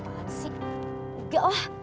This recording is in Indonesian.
apaan sih enggak lah